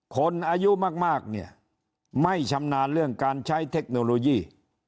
คนอายุมากเนี่ยไม่ชำนาญเรื่องการใช้เทคโนโลยี